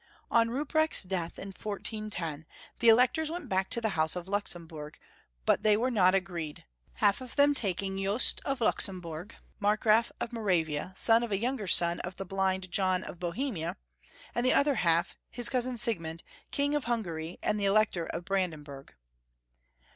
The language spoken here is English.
On Ruprecht's death in 1410, the Electors went back to the house of Luxemburg, but they were not agreed, half of them taking Jobst of Luxem burg, Markgraf of Moravia, son of a younger son of the blind John of Bohemia, and the other half, his cousin Siegmund, King of Hungary, and Elect or of Brandenburg.